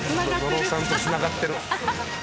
野呂さんとつながってる。